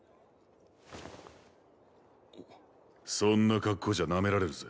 そんな格好じゃナメられるぜ。